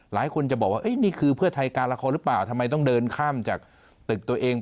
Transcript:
หลายคนจะบอกว่านี่คือเพื่อไทยการละครหรือเปล่าทำไมต้องเดินข้ามจากตึกตัวเอง